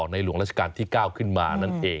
ในหลวงรัชกาลที่๙ขึ้นมา